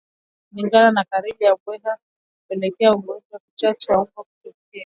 Kuingiliana kwa karibu kwa mbweha hupelekea ugonjwa wa kichaa cha mbwa kutokea